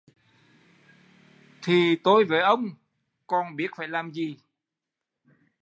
Thì tôi với ông còn biết phải làm gì